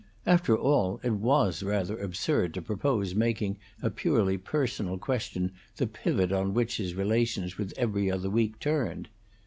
After all, it was rather absurd to propose making a purely personal question the pivot on which his relations with 'Every Other Week' turned.